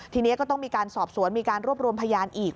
ทีนี้ก็ต้องมีการสอบสวนมีการรวบรวมพยานอีก